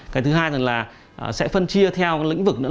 cái thứ hai là sẽ phân chia theo lĩnh vực